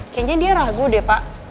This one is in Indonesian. kayaknya dia ragu deh pak